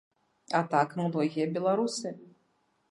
А так многія беларусы.